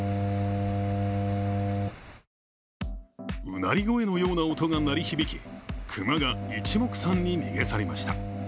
うなり声のような音が鳴り響き、熊が一目散に逃げ去りました。